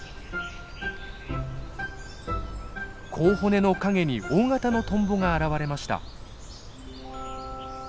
コウホネの陰に大型のトンボが現れました。